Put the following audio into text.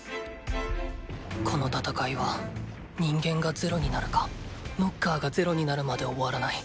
この戦いは人間がゼロになるかノッカーがゼロになるまで終わらない。